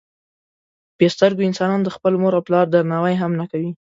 بې سترګو انسانان د خپل مور او پلار درناوی هم نه کوي.